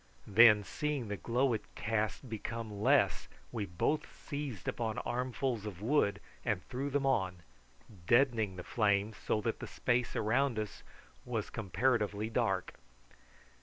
Then, seeing the glow it cast become less, we both seized upon armfuls of wood and threw them on, deadening the flame so that the space around was comparatively dark.